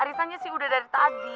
arisannya sih udah dari tadi